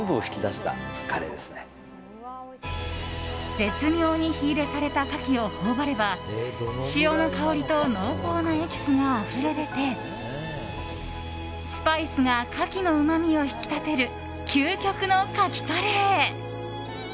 絶妙に火入れされたカキを頬張れば潮の香りと濃厚なエキスがあふれ出てスパイスがカキのうまみを引き立てる究極のカキカレー。